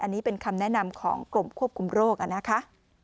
อันนี้เป็นคำแนะนำของกรมควบคุมโรคนะคะ